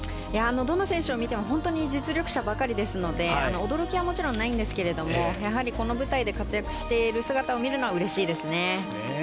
どの選手を見ても実力者ばかりですので驚きはもちろんないんですけどやはり、この舞台で活躍している姿を見るのはうれしいですね。